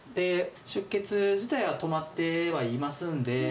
出血自体は止まってはいますんで。